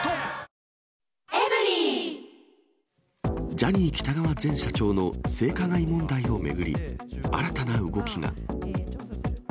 ジャニー喜多川前社長の性加害問題を巡り、新たな動きが。